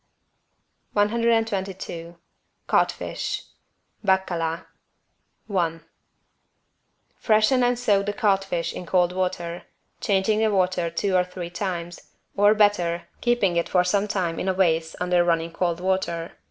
122 CODFISH (Baccalá) I Freshen and soak the codfish in cold water, changing the water two or three times, or, better, keeping it for some time in a vase under running cold water.